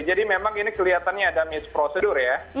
jadi memang ini kelihatannya ada misprosedur ya